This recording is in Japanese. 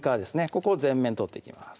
ここを全面取っていきます